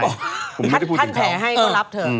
ท่านแผมเมตตาให้ก็รับเถอะ